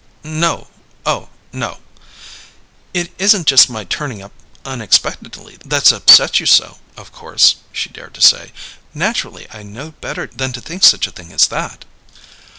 "No. Oh, no." "It isn't just my turning up unexpectedly that's upset you so, of course," she dared to say. "Naturally, I know better than to think such a thing as that."